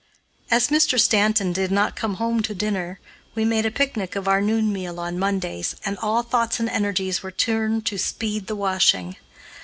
As Mr. Stanton did not come home to dinner, we made a picnic of our noon meal on Mondays, and all thoughts and energies were turned to speed the washing.